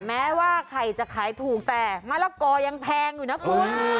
แม้ว่าไข่จะขายถูกแต่มะละกอยังแพงอยู่นะคุณ